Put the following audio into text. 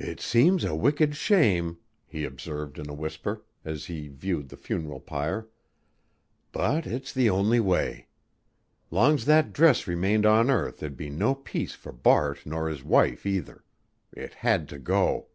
"It seems a wicked shame," he observed in a whisper, as he viewed the funeral pyre, "but it's the only way. Long's that dress remained on earth there'd be no peace for Bart nor his wife either. It had to go."